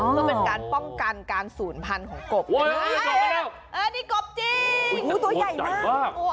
เพื่อเป็นการป้องกันการศูนย์พันธุ์ของกบนี่กบจริงงูตัวใหญ่มาก